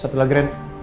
satu lagi red